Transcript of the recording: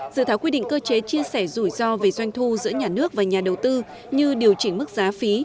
dự thảo quy định cơ chế chia sẻ rủi ro về doanh thu giữa nhà nước và nhà đầu tư như điều chỉnh mức giá phí